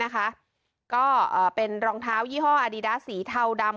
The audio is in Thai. ก็เป็นรองเท้ายี่ห้ออดีดาสีเทาดำ